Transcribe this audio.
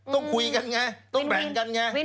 ต้องคุยกันไงต้องแบ่งกันไง